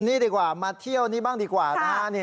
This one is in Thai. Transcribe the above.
นี่ดีกว่ามาเที่ยวนี้บ้างดีกว่านะฮะ